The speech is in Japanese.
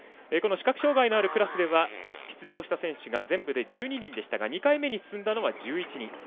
この視覚障がいのあるクラスでは出場した選手が全部で１２人でしたが２回目に進んだのは１１人。